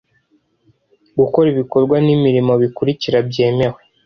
gukora ibikorwa n imirimo bikurikira byemewe